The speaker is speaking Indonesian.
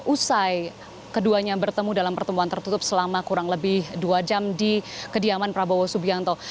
usai keduanya bertemu dalam pertemuan tertutup selama kurang lebih dua jam di kediaman prabowo subianto